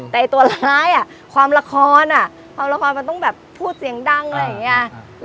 แต่ตัวร้ายความละครความละครมันต้องแบบพูดเสียงดังอะไรอย่างนี้